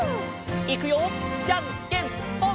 いくよじゃんけんぽん！